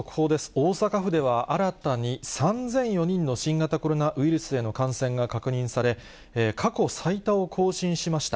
大阪府では新たに、３００４人の新型コロナウイルスへの感染が確認され、過去最多を更新しました。